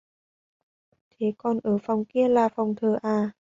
Thế còn ở bên phòng kia là phòng thờ à